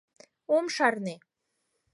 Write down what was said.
Ом шарне.